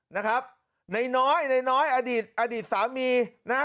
นะครับในน้อยนายน้อยอดีตอดีตสามีนะฮะ